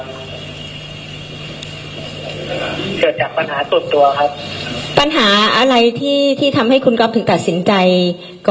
เกิดจากปัญหาส่วนตัวครับปัญหาอะไรที่ที่ทำให้คุณก๊อฟถึงตัดสินใจก่อ